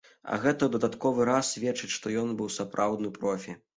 А гэта ў дадатковы раз сведчыць, што ён быў сапраўдны профі.